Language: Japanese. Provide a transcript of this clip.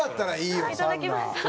いただきました。